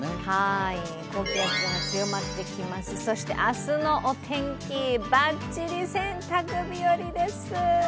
高気圧が強まってきます、そして明日のお天気、バッチリ洗濯日和です。